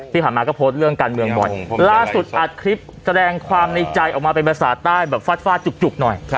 ที่ผ่านมาก็โพสต์เรื่องการเมืองบ่อยล่าสุดอัดคลิปแสดงความในใจออกมาเป็นภาษาใต้แบบฟาดฟาดจุกหน่อย